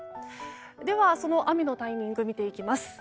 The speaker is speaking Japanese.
では、その雨のタイミング見ていきます。